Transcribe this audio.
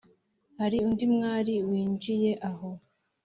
hari undi mwali winjiye aho